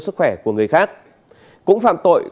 sức khỏe của người khác cũng phạm tội